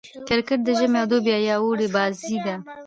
کرکټ د ژمي او دوبي يا اوړي بازي ده.